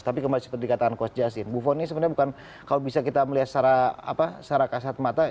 tapi kemarin seperti dikatakan coach jasin buffon ini sebenarnya bukan kalau bisa kita melihat secara kasat mata